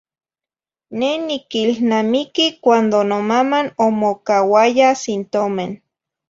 Neh niquihlnamiqui cuando nomama omocauaya sin tomen.